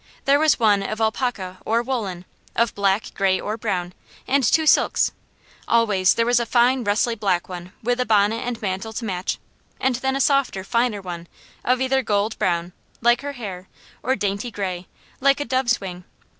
There was one of alpaca or woollen, of black, gray or brown, and two silks. Always there was a fine rustly black one with a bonnet and mantle to match, and then a softer, finer one of either gold brown, like her hair, or dainty gray, like a dove's wing.